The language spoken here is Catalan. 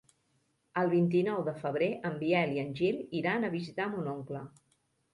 El vint-i-nou de febrer en Biel i en Gil iran a visitar mon oncle.